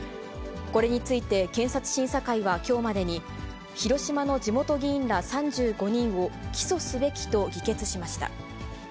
これについて検察審査会は、きょうまでに、広島の地元議員ら３５人を起訴すべきと議決しました。